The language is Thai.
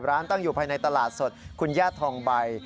ร้านตั้งอยู่ภายในตลาดสดคุณญาติทองใบ